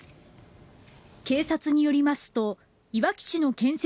警察によりますといわき市の建設